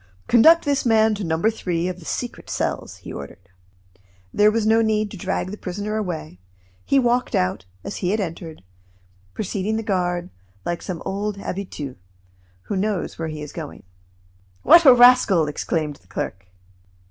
"Conduct this man to No. 3 of the secret cells," he ordered. There was no need to drag the prisoner away. He walked out, as he had entered, preceding the guard, like some old habitue, who knows where he is going. "What a rascal!" exclaimed the clerk.